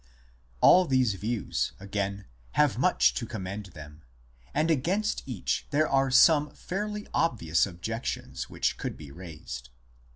All these views, again, have much to commend them ; and against each there are some fairly obvious objections which could be raised.